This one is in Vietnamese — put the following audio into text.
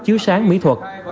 chiếu sáng mỹ thuật